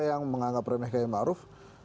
yang menganggap remeh kayak ma'ruf